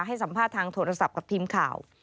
ให้สัมภาษณ์ทางโทรศัพท์กับทีมข่าว